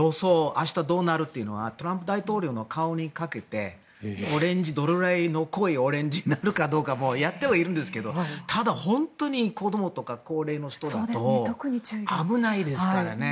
明日どうなるかってトランプ大統領の顔にかけて濃いオレンジになるかもやってはいるんですけどただ、本当に子どもとか高齢の人だと危ないですからね。